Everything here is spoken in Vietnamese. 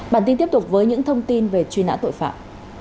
bản tin tiếp tục với những thông tin về truy nã tội phạm